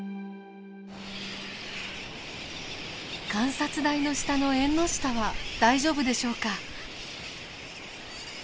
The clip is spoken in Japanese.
観察台の下のエンノシタは大丈夫でしょうか。